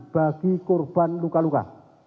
bagi korban luka luka